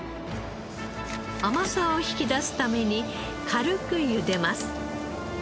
甘さを引き出すために軽く茹でます。